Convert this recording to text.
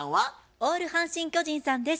オール阪神・巨人さんです。